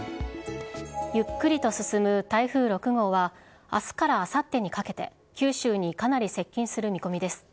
ゆっくりと進む台風６号は、あすからあさってにかけて、九州にかなり接近する見込みです。